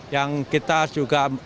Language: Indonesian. yang kita juga